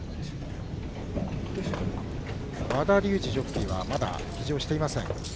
和田竜二ジョッキーはまだ騎乗していません。